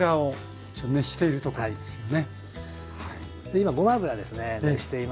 今ごま油ですね熱しています。